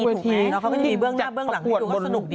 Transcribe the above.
เขาก็จะมีเบื้องหน้าเบื้องหลังหมดสนุกดี